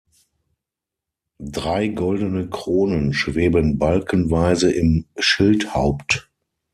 Drei goldene Kronen schweben balkenweise im Schildhaupt.